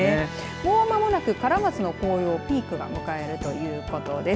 もう間もなくカラマツのピークが迎えられるということです。